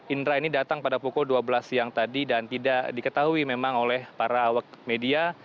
indra ini datang pada pukul dua belas siang tadi dan tidak diketahui memang oleh para awak media